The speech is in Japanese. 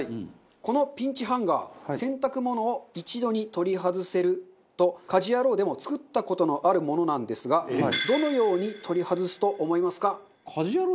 このピンチハンガー洗濯物を一度に取り外せると『家事ヤロウ！！！』でも作った事のあるものなんですがどのように取り外すと思いますか？